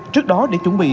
trước đó để chuẩn bị